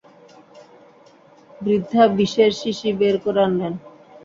বৃদ্ধা বিষের শিশি বের করে আনলেন।